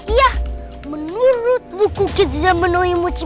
iya menurut buku kita yang menurut mochi